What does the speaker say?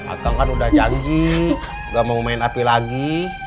agang kan udah janji gak mau main api lagi